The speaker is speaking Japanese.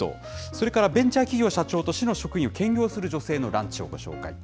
それからベンチャー企業社長と市の職員を兼業する女性のランチをご紹介。